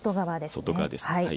外側です。